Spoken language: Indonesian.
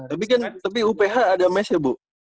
tapi kan tapi uph ada mes ya bu